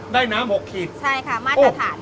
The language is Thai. ได้น้ำ๖ขีดใช่ค่ะมาตรฐาน